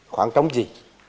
khoảng trống gì